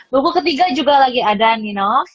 buku ketiga juga lagi ada ninov